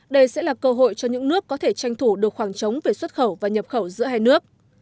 đây sẽ là cơ hội cho những nước có thể tranh thủ được khoảng trống về xuất khẩu và nhập khẩu giữa hai nước